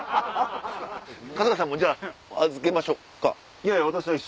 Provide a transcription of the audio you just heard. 春日さんもじゃあ預けましょっか？